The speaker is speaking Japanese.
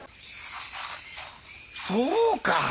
そうか！